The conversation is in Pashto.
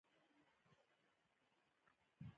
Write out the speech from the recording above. پېسې د نېک عملونو لپاره وکاروه، نه د فخر لپاره.